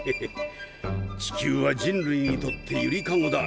「地球は人類にとってゆりかごだ。